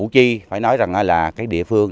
sẽ mãi đứng dững